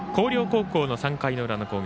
広陵高校の３回の裏の攻撃